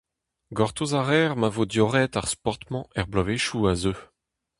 Gortoz a reer ma vo diorroet ar sport-mañ er bloavezhioù a zeu.